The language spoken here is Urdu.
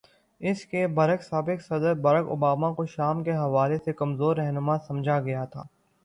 اس کے برعکس، سابق صدر بارک اوباما کو شام کے حوالے سے کمزور رہنما سمجھا گیا تھا۔